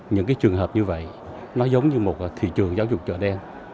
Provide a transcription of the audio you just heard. những cái trường hợp như vậy nó giống như một thị trường giáo dục chợ đen